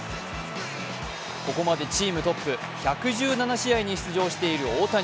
ここまでチームトップ１１７試合に出場している大谷。